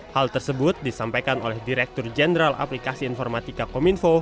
hal tersebut disampaikan oleh direktur jenderal aplikasi informatika kominfo